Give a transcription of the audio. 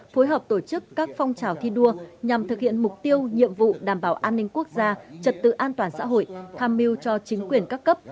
phối hợp tổ chức các phong trào thi đua nhằm thực hiện mục tiêu nhiệm vụ đảm bảo an ninh quốc gia trật tự an toàn xã hội tham mưu cho chính quyền các cấp